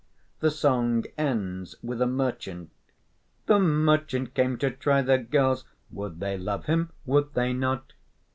The song ends with a merchant: The merchant came to try the girls: Would they love him, would they not?